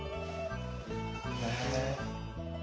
へえ。